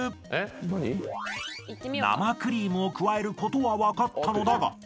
［生クリームを加えることは分かったのだが］